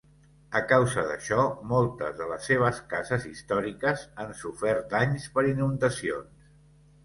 A causa d'això, moltes de les seves cases històriques han sofert danys per inundacions.